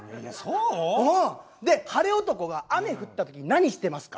うん！で晴れ男が雨降った時何してますか？